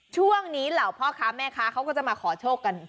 ช่วงนี้เหล่าพ่อค้าแม่ค้าเขาก็จะมาขอโชคกัน